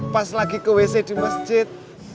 pas lagi ke wc di masjid